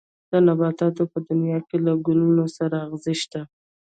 د نباتاتو په دنيا کې له ګلونو سره ازغي شته.